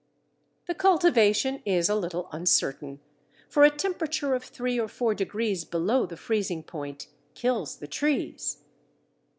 The cultivation is a little uncertain, for a temperature of three or four degrees below the freezing point kills the trees.